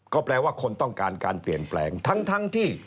ก็แปลว่าคนต้องการการเปลี่ยนแปลงทั้งที่